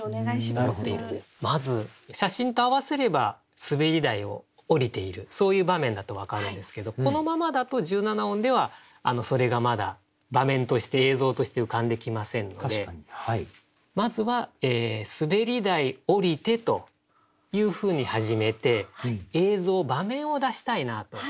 まず写真と合わせれば滑り台を降りているそういう場面だと分かるんですけどこのままだと１７音ではそれがまだ場面として映像として浮かんできませんのでまずは「滑り台降りて」というふうに始めて映像場面を出したいなと思うんですね。